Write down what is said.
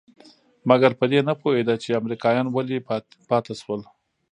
مګر په دې نه پوهېده چې امريکايان ولې پاتې شول.